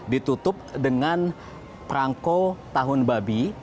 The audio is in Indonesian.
ditutup dengan perangko tahun babi